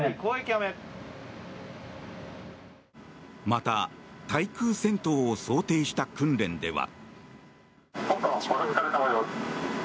また、対空戦闘を想定した訓練では。